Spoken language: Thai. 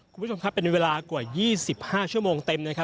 คุณผู้ชมครับเป็นในเวลากว่า๒๕ชั่วโมงเต็มนะครับ